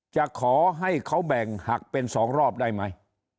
จะขอให้เขาแบ่งหักเป็น๒รอบได้ไหม